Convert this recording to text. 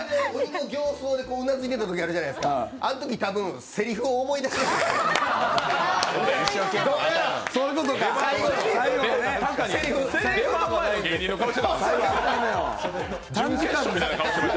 うなずいてたときあるじゃないですかあのとき多分せりふを思い出したんやないかな。